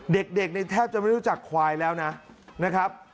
เด็กเนี่ยแทบจะไม่รู้จักควายแล้วนะครับ